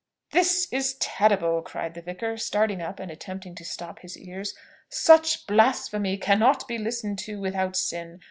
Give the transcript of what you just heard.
"This is terrible!" cried the vicar, starting up and attempting to stop his ears. "Such blasphemy cannot be listened to without sin.